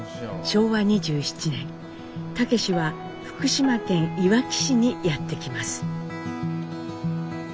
昭和２７年武は福島県いわき市にやって来ます。